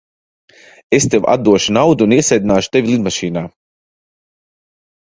Es tev atdošu naudu un iesēdināšu tevi lidmašīnā.